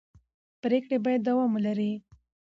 پرېکړې باید دوام ولري